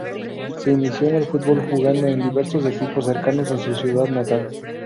Se inició en el fútbol jugando en diversos equipos cercanos a su ciudad natal.